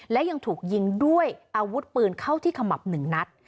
และยังถูกยิงด้วยอาวุธปืนเข้าที่ขมับหนึ่งนัด